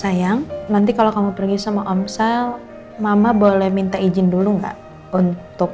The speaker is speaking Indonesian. sayang nanti kalau kamu pergi sama omset mama boleh minta izin dulu enggak untuk